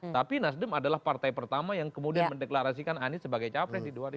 tapi nasdem adalah partai pertama yang kemudian mendeklarasikan anies sebagai capres di dua ribu dua puluh